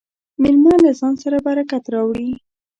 مېلمه له ځان سره برکت راوړي.